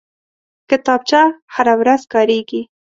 کتابچه هره ورځ کارېږي